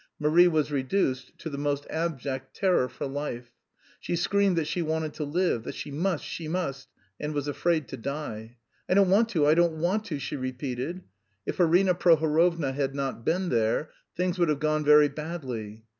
Marie was reduced to the most abject terror for life. She screamed that she wanted to live, that "she must, she must," and was afraid to die. "I don't want to, I don't want to!" she repeated. If Arina Prohorovna had not been there, things would have gone very badly.